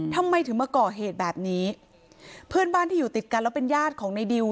ทำไมถึงมาก่อเหตุแบบนี้เพื่อนบ้านที่อยู่ติดกันแล้วเป็นญาติของในดิว